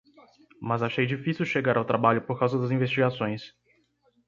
Mas achei difícil chegar ao trabalho por causa das investigações.